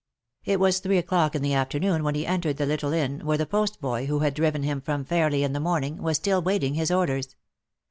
It was three o'clock in the afternoon when he entered the little inn, where the postboy, who had driven him from Fairly in the morning, was still waiting his orders.